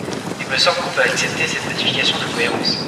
Il me semble qu’on peut accepter cette modification de cohérence.